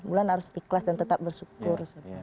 enam bulan harus ikhlas dan tetap bersyukur